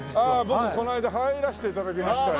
僕この間入らせて頂きましたよ。